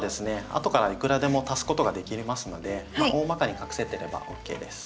後からいくらでも足すことができますので大まかに隠せてればＯＫです。